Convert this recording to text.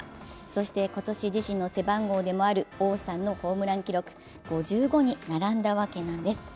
そして今年自身の背番号でもある王さんのホームラン記録５５に並んだわけなんです。